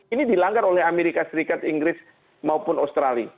ini dilanggar oleh amerika serikat inggris maupun australia